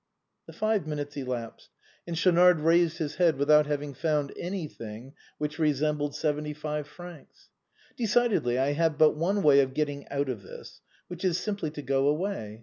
The five minutes elapsed, and Schaunard raised his head without having found anything which resembled seventy five francs. " Decidedly, I have but one way of getting out of this, which is simply to go away.